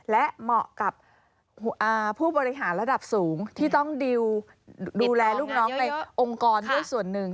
และเหมาะกับผู้บริหารระดับสูงที่ต้องดิวดูแลลูกน้องในองค์กรด้วยส่วนหนึ่ง